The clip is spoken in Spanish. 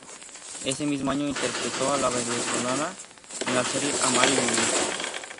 Ese mismo año interpretó a La Venezolana en la serie "Amar y vivir".